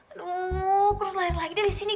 aduh terus lari lagi dari sini